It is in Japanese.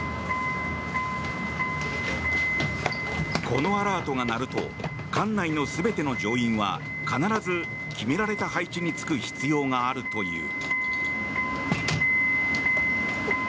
このアラートが鳴ると艦内の全ての乗員は必ず決められた配置に就く必要があるという。